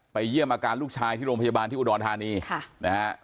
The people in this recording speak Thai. เยี่ยมอาการลูกชายที่โรงพยาบาลที่อุดรธานีค่ะนะฮะ